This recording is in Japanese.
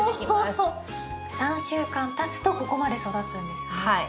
３週間たつとここまで育つんですね。